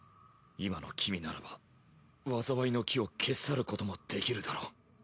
今の君ならば災いの樹を消し去ることもできるだろう。